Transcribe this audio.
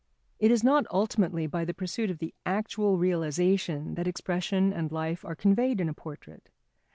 It is not ultimately by the pursuit of the actual realisation that expression and life are conveyed in a portrait.